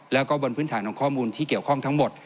แล้วก็บนพื้นฐานของข้อมูลที่เกี่ยวข้องทั้งหมด